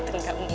itu gak mungkin